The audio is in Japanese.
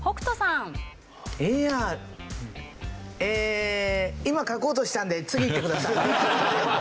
えー今書こうとしてたんで次いってください。